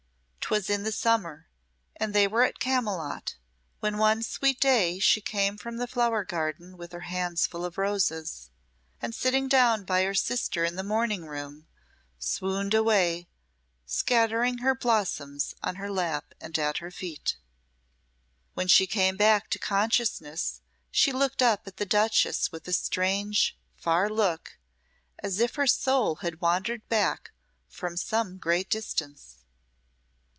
'Twas in the summer, and they were at Camylott, when one sweet day she came from the flower garden with her hands full of roses, and sitting down by her sister in her morning room, swooned away, scattering her blossoms on her lap and at her feet. When she came back to consciousness she looked up at the duchess with a strange, far look, as if her soul had wandered back from some great distance.